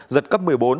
giật cấp một mươi bốn